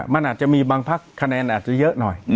มันอาจจะมีบางพักคะแนนอาจจะเยอะหน่อย